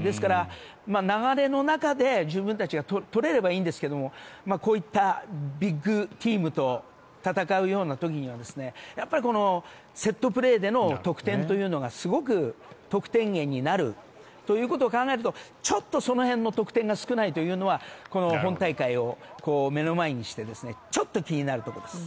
ですから、流れの中で自分たちが取れればいいんですがこういったビッグチームと戦うような時にはやっぱりセットプレーでの得点というのがすごく得点源になるということを考えるとちょっとその辺の得点が少ないというのは本大会を目の前にしてちょっと気になるところです。